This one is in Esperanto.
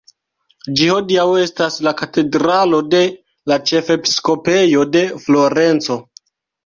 Ĝi hodiaŭ estas la katedralo de la ĉefepiskopejo de Florenco.